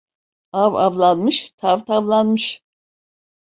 Av avlanmış, tav tavlanmış.